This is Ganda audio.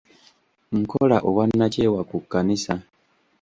Nkola obwannakyewa ku kkanisa.